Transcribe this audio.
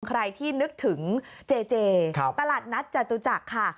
ใครที่นึกถึงเจเจตลาดนัดจตุจักรค่ะ